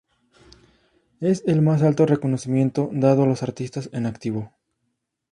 Es el más alto reconocimiento dado a los artistas en activo.